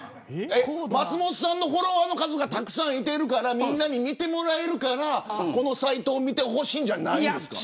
松本さんのフォロワーの数がたくさんいてるからみんなに見てもらえるからこのサイトを見てほしいじゃないんですか。